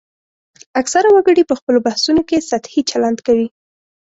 اکثره وګړي په خپلو بحثونو کې سطحي چلند کوي